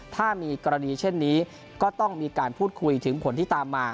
ถ้ามีกรณีเช่นนี้ก็ต้องมีการพูดคุยถึงผลที่ตามมา